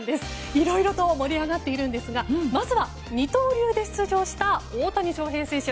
いろいろと盛り上がっているんですがまずは二刀流で出場した大谷翔平選手。